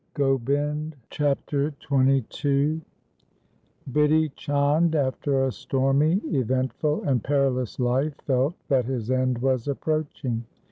Chapter XXII Bidhi Chand after a stormy, eventful, and perilous life felt that his end was approaching.